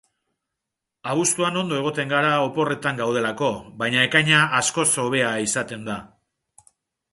Abuztuan ondo egoten gara oporretan gaudelako, baina ekaina askoz hobea izaten da.